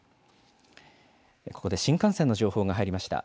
ここで新幹線の情報が入りました。